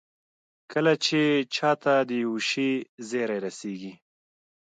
کله چې چا ته د يوه شي زېری رسېږي.